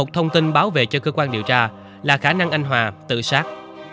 thông tin báo về cho cơ quan điều tra là khả năng anh hòa tự sát